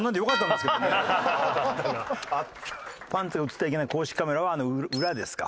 パンツが映ってはいけない公式カメラはあの裏ですか。